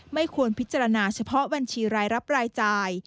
ไม่ควรพิจารณาเฉพาะบัญชีรายรับรายจ่าย